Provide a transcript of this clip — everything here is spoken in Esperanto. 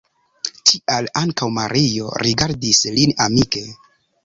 Tial ankaŭ Mario rigardis lin amike.